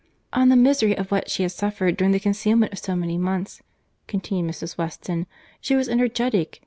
"On the misery of what she had suffered, during the concealment of so many months," continued Mrs. Weston, "she was energetic.